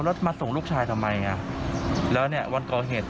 แล้วมาส่งลูกชายทำไมอ่ะแล้วเนี่ยวันก่อเหตุ